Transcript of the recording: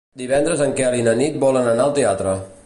Divendres en Quel i na Nit volen anar al teatre.